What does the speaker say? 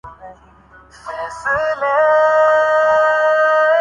شمشیر و سناں اول طاؤس و رباب آخر